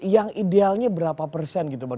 yang idealnya berapa persen gitu bang